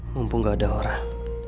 mumpung gak ada orang